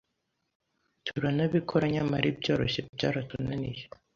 turanabikora nyamara ibyoroshye byaratunaniye